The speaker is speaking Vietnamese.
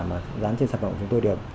mà dán trên sản phẩm của chúng tôi được